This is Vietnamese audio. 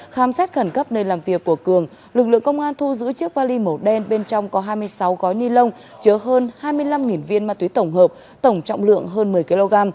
khám xét khẩn cấp nơi làm việc của cường lực lượng công an thu giữ chiếc vali màu đen bên trong có hai mươi sáu gói ni lông chứa hơn hai mươi năm viên ma túy tổng hợp tổng trọng lượng hơn một mươi kg